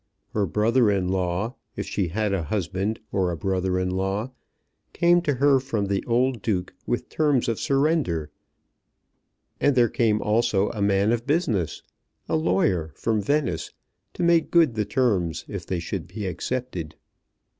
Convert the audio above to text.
Her brother in law, if she had a husband or a brother in law, came to her from the old Duke with terms of surrender; and there came also a man of business, a lawyer, from Venice, to make good the terms if they should be accepted.